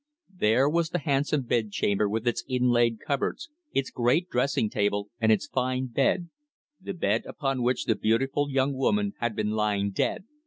There was the handsome bed chamber with its inlaid cupboards, its great dressing table, and its fine bed the bed upon which the beautiful young woman had been lying dead.